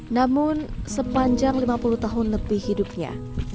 namun sepanjang lima puluh tahun lebih hidupnya